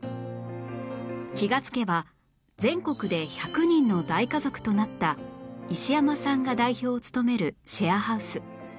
気がつけば全国で１００人の大家族となった石山さんが代表を務めるシェアハウス